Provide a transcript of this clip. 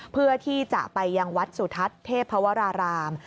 เพื่อที่จะไปยังวัดสุทัศน์เทพวราราม